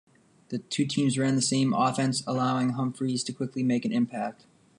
The two teams ran the same offense, allowing Humphries to quickly make an impact.